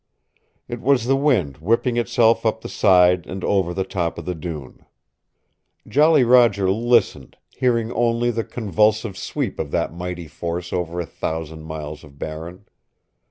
It was the wind whipping itself up the side and over the top of the dune. Jolly Roger listened, hearing only the convulsive sweep of that mighty force over a thousand miles of barren.